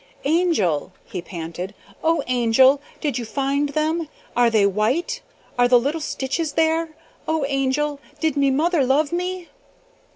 "Angel," he panted. "Oh Angel! Did you find them? Are they white? Are the little stitches there? OH ANGEL! DID ME MOTHER LOVE ME?"